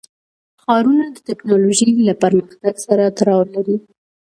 ښارونه د تکنالوژۍ له پرمختګ سره تړاو لري.